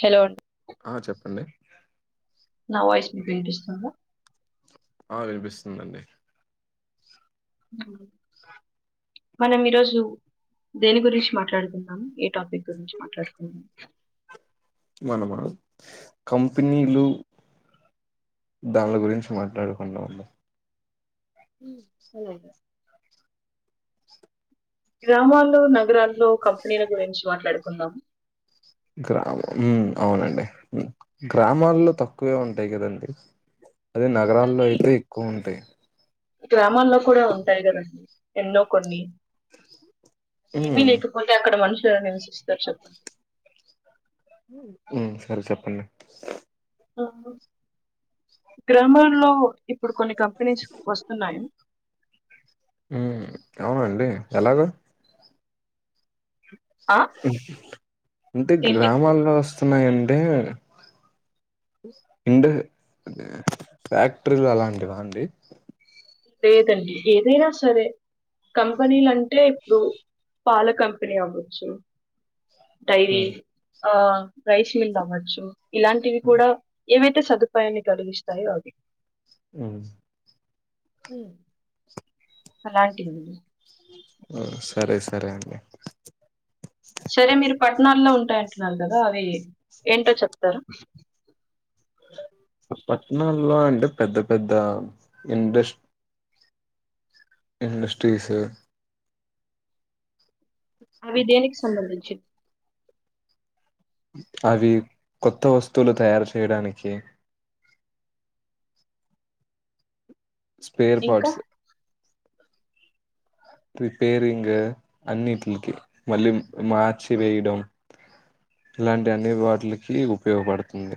Hello అండి ఆ చెప్పండి నా వాయిస్ మీకు వినిపిస్తుందా ఆ వినిపిస్తుందండి ఉ స మనం ఈరోజు దేని గురించి మాట్లాడుకు నం ఏ టాపిక్ గురించి మాట్లాడుకుందాం మనమా కంపెనీలు దాన్ల గురించి మాట్లాడుకుందామండి అవ్ గ్రామాలు నగరాల్లో కంపెనీల గురించి మాట్లాడుకుందాం గ్రామం హు అవునండి గ్రామాల్లో తక్కువే ఉంటాయి కదండి అదే నగరాల్లో కానీ అయితే ఎక్కువ ఉంటాయి గ్రామాల్లో కూడా ఉంటాయి కదండి ఎన్నో కొన్ని ఏమీ మ్మ్ లేకపోతే అక్కడ మనుష్ గా నివసిస్తారు చేప్పండి హు సరే చెప్పండి ఆ గ్రామాల్లో ఇప్పుడు కొన్ని కంపెనీస్ వస్తున్నాయి ఎలాగో ఆ హు అంటే ఏంటి గ్రామాల్లో వస్ స్తున్నాయంటే ఇండ్ ఫ్యాక్టరీలు అలాంటివా అండి లేదండి ఏదైనా సరే కంపెనీలంటే ఇప్పుడు పాల కంపెనీ అవ్వచ్చు డైరీ మ్మ్ ఆ రైశిల్డ్ అవచ్చు ఇలాంటివి కూడా ఏవైతే సదుపాయాన్ని కలిగిస్తాయో అవి హు అలాంటివీ సరే సరే అండి సరే మీరు పట్టణాల్లో ఉంటాయంటున్నారు కదా అవి ఏంటో చెప్తరు పట్టణాల్లో అంటే పెద్ద పెద్ద ఇండస్ ఇండస్ట్రీస్ అవి దేనికి సంబంధించి అవి కొత్త వస్తువులు తయారు చేయడానికి స్పేయర్ ఇంకా పార్ట్స్ రిపేరింగ్ అన్నిటికి మళ్ళీ మార్చి వేయడం ఇలాంటి అన్ని వాటిలకి ఉపయోగపడుతుంది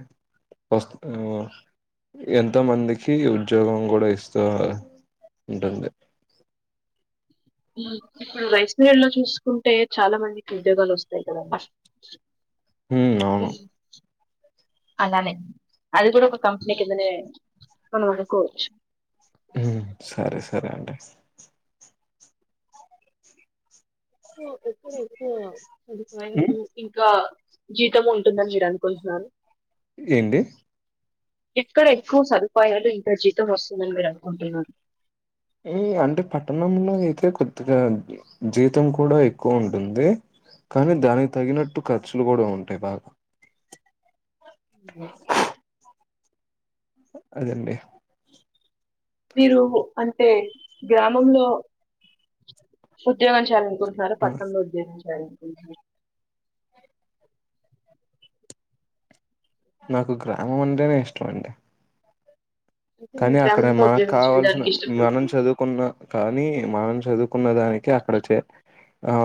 వ ఎంతో మందికి ఉద్యోగం కూడా ఇస్తూ ఉంటుంది ఇప్పుడు వైస్వేడ్ లో చూసుకుంటే చాలా మందికి ఉద్యోగాలు వస్తాయి కదమ్ ఉ అవును అలానే అది కూడా ఒక కంపెనీ కిందనే మనం అనుకోవచ్చు సరే సరే అండి ఎక్కడ ఎక్కువ ఉమ్, సదుపాయాలు ఇంకా జీతం ఉంటుందని మీరు అనుకుంటున్నాను ఏంటి ఇక్కడ ఎక్కువ సదుపాయాలు ఇంకా జీతం వస్తుందని మీరు అనుకుంటున్నా అంటే పట్టణంలో అయితే కొదిగా జీతం కూడా ఎక్కువ ఉంటుంది కానీ దానికి తగినట్టు ఖర్చులు కూడా ఉంటాయి బాగా అ అడగండి మీరు అంటే గ్రామంలో ఉద్యోగం చేయాలండి ఓసారి ఆ, పట్టణంలో ఉద్యోగం చేయను అ నాకు గ్రామం అంటేనే ఇష్టంమండి అంటే కానీ మీరు అక్కడ గ్రామంలో మనకు ఉద్యోగం కావల్సిన చేయడానికి మనం ఇష్టపడుతున్నారు చదువుకున్న కానీ మనం చదువుకున్న దానికి అక్కడ చే ఆ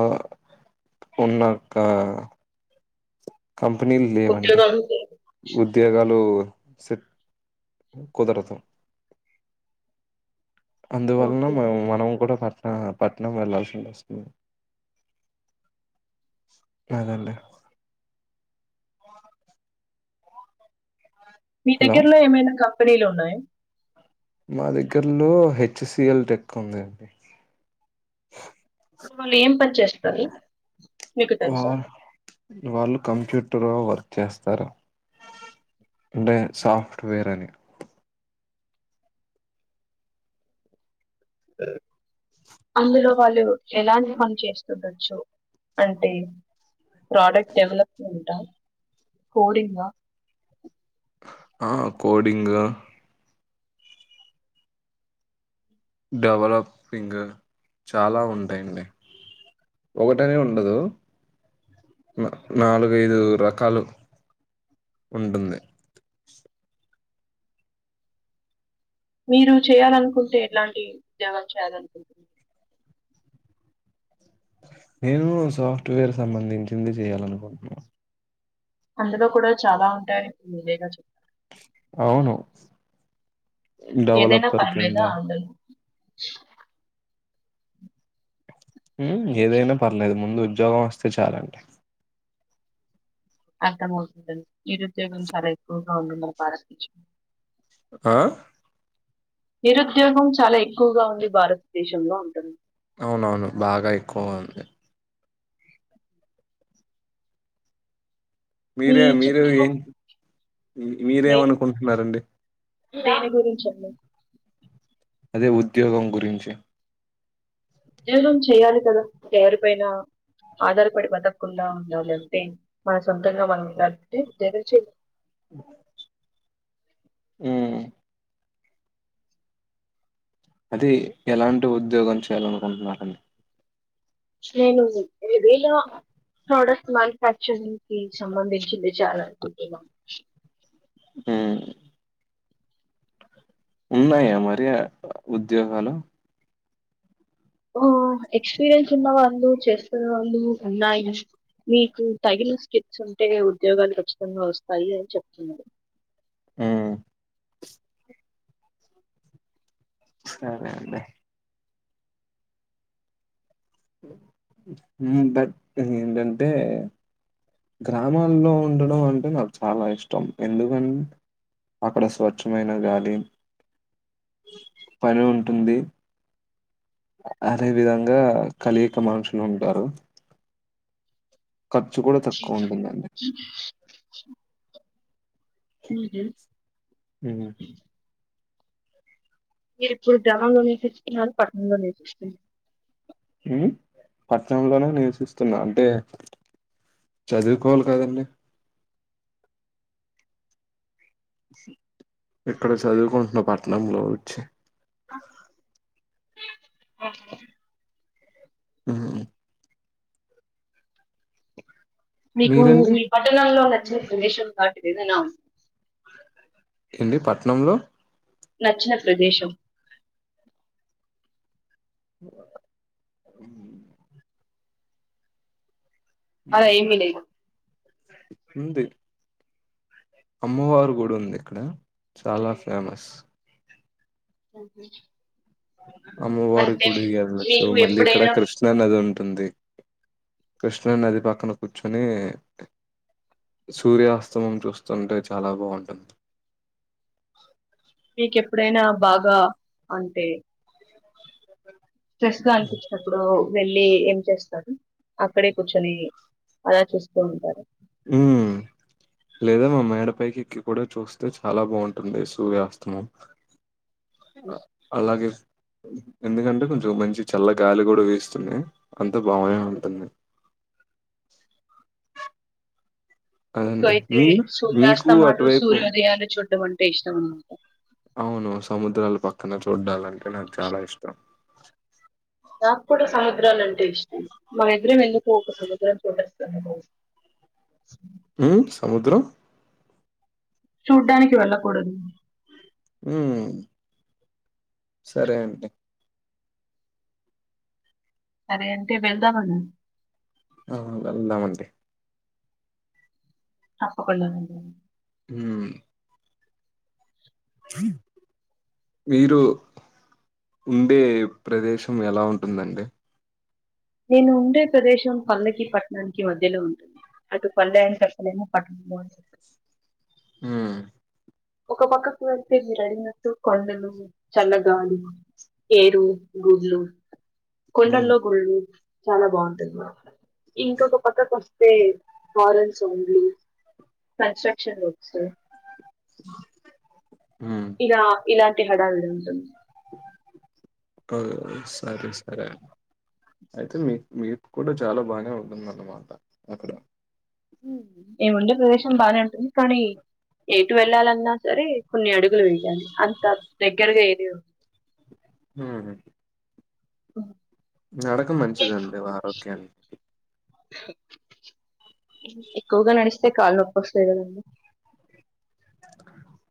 ఉన్నతా ఉద్యోగాలు లే ఉద్యోగ హలో సెట్ కుదరదు అందువలన ఓకే మ మనం కూడా పర్ ఆ పట్నం వెళ్లాల్సింది వస్తుంది అదండి మీ హలో దగ్గరలో ఏమైనా కా డిలు ఉన్నాయి మా దగ్గరలో హెచ్సిఎల్ టెక్ ఉంది అండి వాళ్ళు ఏం పని చేస్తారు మీకు వా తెలుసా వాళ్ళు కంప్యూటర్లో వర్క్ చేస్తారు అంటే సాఫ్ట్వేర్ అని అందులో వాళ్ళు ఎలాంటి పని చేస్తుండొచ్చు అంటే ప్రోడక్ట్ డెవలప్మెంటా కోడింగ్ ఆ ఆ కోడింగ్ డెవలపింగ్ చాలా ఉంటాయండి ఒకటనే ఉండదు నాలుగైదు రకాలు ఉంటుంది మీరు చేయాలనుకుంటే ఎట్లాంటి ఉదోగాలు చేయాలనుకుంటున్నారు నేను సాఫ్ట్వేర్ సంబంధించింది చేయాలనుకుంటున్నాను అందులో కూడా చాలా ఉంటాయి విరేగా చెప్పారు అవును ఏదైనా డెవలపర్ పని మీద కింద ఆందోళన ఏదైనా పర్లేదు ముందు ఉద్యోగం వస్తే చాలండి అర్ధం అవుతుంది అండి నిరుద్యోగం చాలా ఎక్కువగా ఉంది మన భారత దేశం లో ఆ నిరుద్యోగం చాలా ఎక్కువగా ఉంది భారతదేశంలో అంటుంది అవునవును బాగా ఎక్కువ ఉంది మీ మీరే మీరు చిత్తం ఏం నేను మీరేమనుకుంటున్నారండి దేని గురించండి? అదే ఉద్యోగం గురించి ఉద్యోగం చేయాలి కదా ఎవరిపైనా ఆధారపడి బతకుండా ఉండాలంటే మన సొంతంగా మనం వెలాాలంటే జగ చేయి హుమ్మ్ అది ఎలాంటి ఉద్యోగం చేయాల అనుకుంటున్నారండి నేను ఏవేల ప్రోడక్ట్స్ మ్యానుఫ్యాక్చరింగ్ కి సంబంధించింది చాననుకుంటున్నా ఉమ్, ఉన్నాయా మరి ఉద్యోగాలు ఎక్స్పీరియన్స్ ఉన్నవాళ్ళు చేస్తన్న వాళ్ళు ఉన్నాయి మీకు తగిన స్కిట్స్ ఉంటే ఉద్యోగాలు ఖచ్చితంగా వస్తాయి అని చెప్తున్నారు ఆ సరే అండి బట్ ఏంటంటే గ్రామాల్లో ఉండడం అంటే నాకు చాలా ఇష్టం ఎందుకని అక్కడ స్వచ్ఛమైన గాలి పని ఉంటుంది అదే విధంగా కలియిక మనుషులు ఉంటారు ఖర్చు కూడా తక్కువ ఉంటుందండి హ హ్మ్. మీరు ఇప్పుడు గ్రామంలో నేర్చచుకున్నారు పట్టణంలో నేర్పిస్తు పట్టనంలోనే నివసిస్తున్నా అంటే చదువుకోవాలి కదండి ఇక్కడ చదువుకుంటున్న పట్నంలో వచ్చి ఆఓ ఆ మీకు మీరండి? ఈ పట్టణంలో షన్ కాట్దిదన్నా ఏంటి పట్నంలో నచ్చిన ప్రదేశం అద ఏమి లేదు ఉంది అమ్మవారు గుడి ఉంది ఇక్కడ చాలా ఫేమస్ సఓహ అమ్మవారి గుడిలచ్చు మీకు మళ్ళీ ఇక్కడ ఎప్పుడైనా కృష్ణన్నది ఉంటుంది కృష్ణా నది పక్కన కూర్చొని సూర్యాస్తమం చూస్తుంటే చాలా బాగుంటుంది మీకు ఎప్పుడైనా బాగా అంటే స్ట్రెస్ గా అనిపించినప్పుడు వెళ్ మళ్ళి ఏం చేస్తారు అక్కడే కూర్చొని అలా చూస్తూ ఉంటారు ఉమ్ లేదా మా మేడ పైకి ఎక్కి కూడా చూస్తే చాలా బాగుంటుంది సూర్యాస్తమం. అ అలాగే ఎందుకంటే కొంచెం మంచి చల్ల గాలి కూడా వీస్తుంది అంత బాగనే ఉంటుంది. అదండి ఇంకైతే మీరు మీకు సూర్యాస్తమాలు అటువైపు సూర్యోదయాలు చూ డం అంటే ఇష్టం అనమాట అవును సముద్రాలు పక్కన చూడ్డాలంటే నాకు చాలా ఇష్టం నాక్కూడా సముద్రాలు అంటే ఇష్టం మా [unintelligible] మ్మ్ సముద్రం చూడ్డానికి వెళ్ళకూడదు హ్మ్ సరే అండి సరే అంటే వెళ్దామని ఆ వెళ్దామండి తప్పకుండా నండి హ్మ్ మీరు ఉండే ప్రదేశం ఎలా ఉంటుందండి నేను ఉండే ప్రదేశం పల్లె, పట్టణానికి మధ్యలో ఉంటున్నాను. అటు పల్లె అని చెప్పలేను, పట్టణము అని చెప్పలేను. హుమ్ ఒక పక్కకు అయితే మీరు అడిగినట్టు కొండలు చల్లగాలి ఏరు గుడ్ళు హ్మ్ కొండల్లో గుళ్ళు చాలా బాగుంటుంది మా ఇంకొక పక్కకు వస్ స్తే హారన్ సౌండ్లు కన్స్ట్రక్షన్ వర్క్స్ హుం హ్మ్ ఇగా ఇలాన్ తినడాల్ తింటున్ ఆ సరే సరే అయితే మీ మీకు కూడా చాలా బానే ఉంటుంది అన్నమాట అక్కడ. మేముండే ప్రదేశం బానే ఉంటుంది కానీ, ఎటు వెళ్ళాలన్నా సరే కొన్ని అడుగులు వేయాలి అంత దగ్గరగా ఏది ఉన్ హ్మ్ ఉ నడక మంచిదిండి ఆరోగ్యానికి ఎక్కువగా నడిస్తే కాళ్లునొప్పోస్తాయ్ కదండి.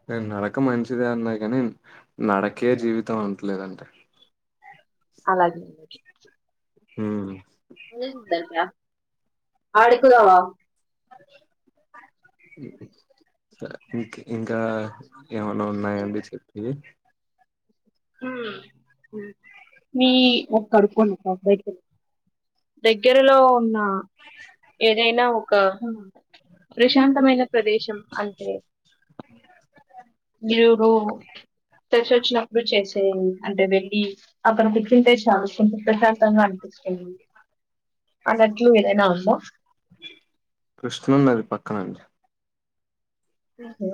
నేన్ నడక మంచిదే అన్నా కాని నడకే జీవితం అంటలేనండి. అలాగే హ అ సందర క ఆడుకుదావా? ఇంకా ఇంకా, ఏమన్న ఉన్నాయ అండి చెప్పి హ ఉమ్ మీ ఒకడుకును దగ్గరలో ఉన్న ఏదైనా ఒక ప్రశాంతమైన ప్రదేశం అంటే మీరు తెలిసోచ్చిన అంటే వెళ్లి అక్కడ కుక్కింగ్ పేస్ట్ కొంచం ప్రశాంతంగా అనిపిస్తుంది అన్నట్లు ఏదన్న ఉందా? కృష్ణ నది పక్కనండి ఓహో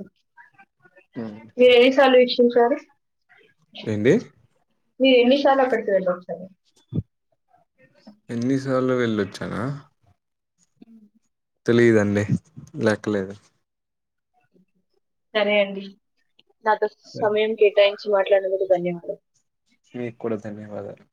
హ్మ్ ఏ ఈ సారి టు సారి ఏంది మీరు ఎన్నిసార్ల పెడుతు డాక్సర్ ఎన్నిసార్లు వెళ్ళొచ్చానా? హ తెలిదండి? లెక్కలేదు సరే అండి. నాతో స్ సరే సమయం కేటాయి చి మాట్లాడనందుకు ధన్యవాదాలు మీకూడా ధన్యవాదాలు